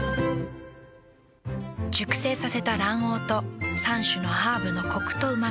熟成させた卵黄と３種のハーブのコクとうま味。